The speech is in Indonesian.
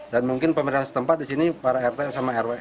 dan mungkin pemerintah setempat di sini para rt sama rw